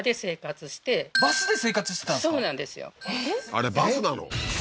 あれバスなの？